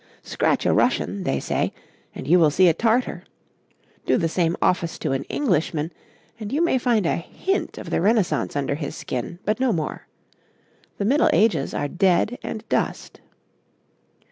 Scratch a Russian, they say, and you will see a Tartar; do the same office by an Englishman, and you may find a hint of the Renaissance under his skin, but no more. The Middle Ages are dead and dust.